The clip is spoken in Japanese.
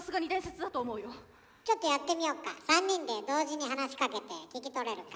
ちょっとやってみようか３人で同時に話しかけて聞き取れるか。